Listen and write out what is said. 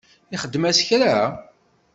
Ixdem-as kra?